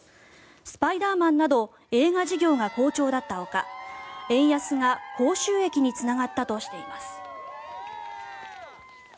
「スパイダーマン」など映画事業が好調だったほか円安が高収益につながったとしています。